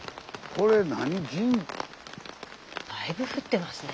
スタジオだいぶ降ってますね。